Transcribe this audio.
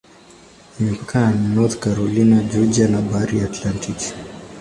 Imepakana na North Carolina, Georgia na Bahari ya Atlantiki.